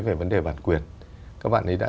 về vấn đề bản quyền các bạn ấy đã